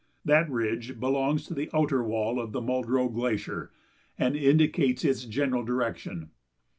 That ridge belongs to the outer wall of the Muldrow Glacier and indicates its general direction.